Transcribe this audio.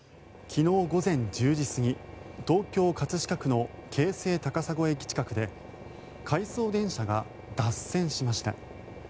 昨日午前１０時過ぎ東京・葛飾区の京成高砂駅近くで回送電車が脱線しました。